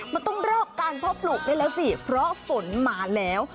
เราต้องเลิกการภาพปลูกได้เลยสิเพราะฝนมาแล้ว